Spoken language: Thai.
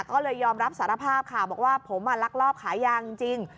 ก็เลยยอมรับสารภาพค่ะบอกว่าผมลักลอบขายยางจริง